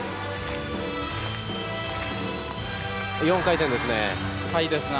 ４回転ですね。